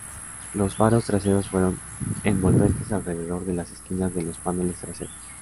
Los faros traseros fueron envolventes alrededor de las esquinas de los paneles traseros.